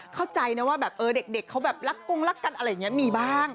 เข้าใจนะว่าแบบเด็กเขาแบบรักกงรักกันอะไรอย่างนี้มีบ้าง